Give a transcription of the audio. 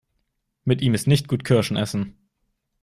Mit ihm ist nicht gut Kirschen essen.